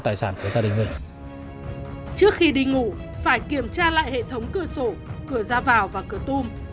trước khi đi ngủ phải kiểm tra lại hệ thống cửa sổ cửa ra vào và cửa tung